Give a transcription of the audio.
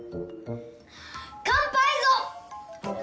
乾杯ぞ！